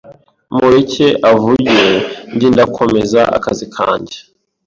mureke avuge njye ndakomeza akazi kanjye,